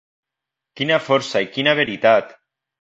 Quina força i quina veritat!